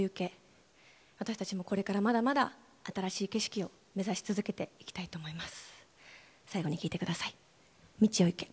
未知なる道を行け、私たちもこれからまだまだ新しい景色を目指していきたいと思います。